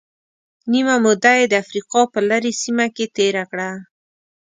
نیمه موده یې د افریقا په لرې سیمه کې تېره کړه.